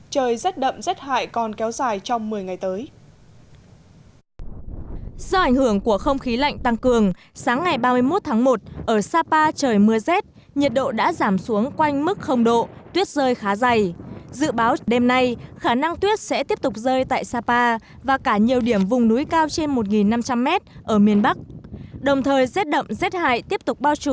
trời rét đậm rét hại còn kéo dài trong một mươi ngày tới